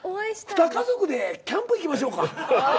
ふた家族でキャンプ行きましょうか。